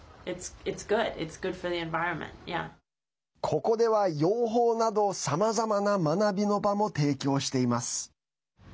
ここでは、養蜂などさまざまな学びの場も提供しています。